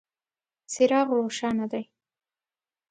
څراغ روښانه دی .